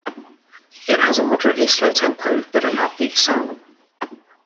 It has a moderately slow tempo but an up-beat song.